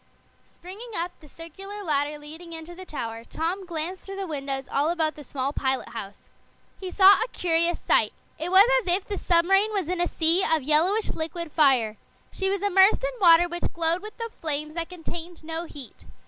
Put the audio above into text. Springing up the circular ladder leading into the tower, Tom glanced through the windows all about the small pilot house. He saw a curious sight. It was as if the submarine was in a sea of yellowish liquid fire. She was immersed in water which glowed with the flames that contained no heat.